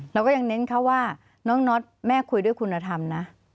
เราก็ยังเน้นเขาว่าน้องน็อตแม่คุยด้วยคุณธรรมนะ